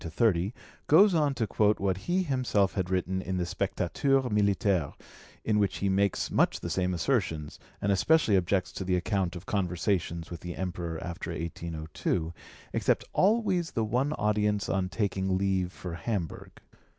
29 30) goes on to quote what he himself had written in the Spectateur Militaire, in which he makes much the same assertions, and especially objects to the account of conversations with the Emperor after 1802, except always the one audience on taking leave for Hamburg.